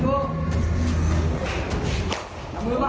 กังวลแต่ว่าใครสบาย